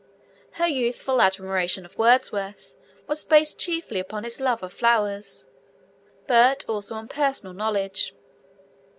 Her youthful admiration of Wordsworth was based chiefly upon his love of flowers, but also on personal knowledge.